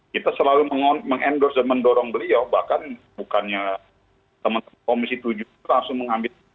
kita selalu mendorong beliau bahkan teman teman komisi tujuh itu langsung mengambil